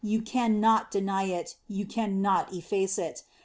You can not deny it; you cannot efface it.